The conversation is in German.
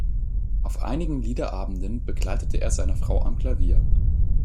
Auf einigen Liederabenden begleitete er seine Frau am Klavier.